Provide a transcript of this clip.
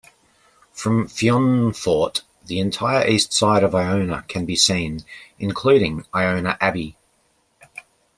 From Fionnphort, the entire east side of Iona can be seen, including Iona Abbey.